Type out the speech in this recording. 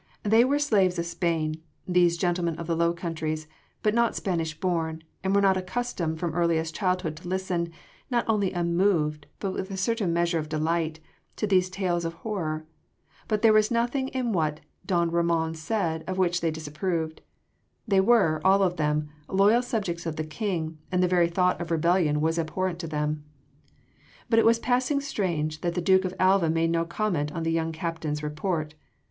They were slaves of Spain, these gentlemen of the Low Countries, but not Spanish born, and were not accustomed from earliest childhood to listen not only unmoved but with a certain measure of delight to these tales of horror. But there was nothing in what don Ramon said of which they disapproved. They were all of them loyal subjects of the King, and the very thought of rebellion was abhorrent to them. But it was passing strange that the Duke of Alva made no comment on the young captain’s report.